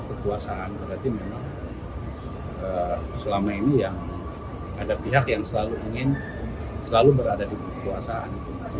kekuasaan berarti memang selama ini yang ada pihak yang selalu ingin selalu berada di kekuasaan